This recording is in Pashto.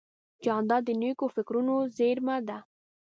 جانداد د نیکو فکرونو زېرمه ده.